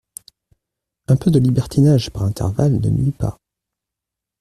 Un peu de libertinage par intervalle ne nuit pas.